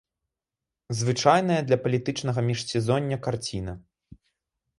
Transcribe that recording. Звычайная для палітычнага міжсезоння карціна.